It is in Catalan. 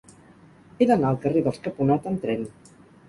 He d'anar al carrer dels Caponata amb tren.